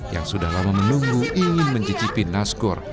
yang sudah lama menunggu ingin mencicipi nasgor